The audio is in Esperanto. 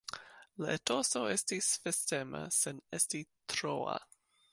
La etoso estis festema, sen esti troa.